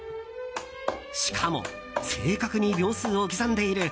しかも正確に秒数を刻んでいる。